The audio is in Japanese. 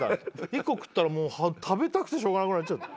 １個食ったら食べたくてしょうがなくなっちゃって。